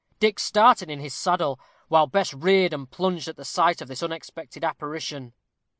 Dick started in his saddle, while Bess reared and plunged at the sight of this unexpected apparition.